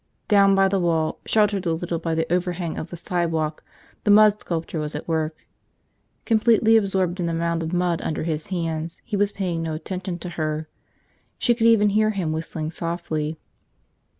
Down by the wall, sheltered a little by the overhang of the sidewalk, the mud sculptor was at work. Completely absorbed in the mound of mud under his hands, he was paying no attention to her. She could even hear him whistling softly.